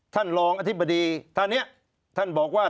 ท่านรองอธิบดีท่านนี้ท่านบอกว่า